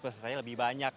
maksud saya lebih banyak